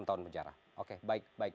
enam tahun penjara oke baik baik